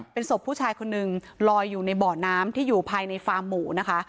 เป็นศพผู้ชายคนนึงลอยอยู่ในบ่อน้ำที่อยู่ภายในฟาร์มหมูนะคะ